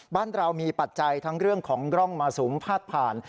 บ้านเรามีปัจจัยทั้งเรื่องของร่องมรสุมพาดผ่าน